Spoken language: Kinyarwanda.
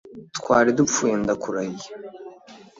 twari dupfuye ndakurahiye